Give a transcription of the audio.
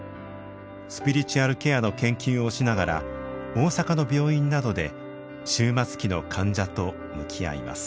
スピリチュアルケアの研究をしながら大阪の病院などで終末期の患者と向き合います。